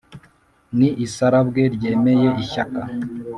Ni isarabwe ryemeye ishyaka.